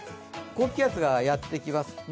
高気圧がやってきます